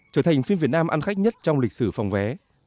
trở thành phim việt nam ăn khách nhất trong lịch sử phòng vé